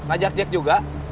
ajak jack juga